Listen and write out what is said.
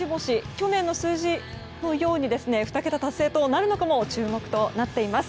去年の数字のように２桁達成なるのかも注目となっています。